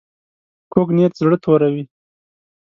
کوږ نیت زړه توروي